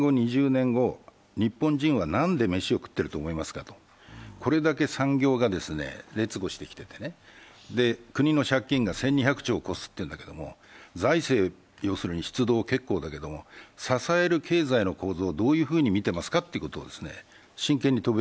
それから１０年後、２０年後、日本人は何で飯を食ってると思いますかと、これだけ産業が列伍してきていて、国の借金が１２００兆を超すというんだけども、財政出動は結構だけども、支える経済の影響をどう見ていますかということです。